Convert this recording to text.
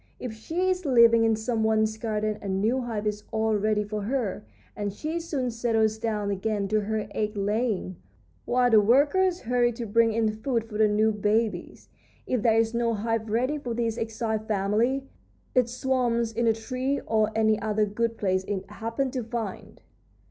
If she is living in some one's garden a new hive is all ready for her, and she soon settles down again to her egg laying, while the workers hurry to bring in food for the new babies. If there is no hive ready for this exiled family, it swarms in a tree or any other good place it happens to find."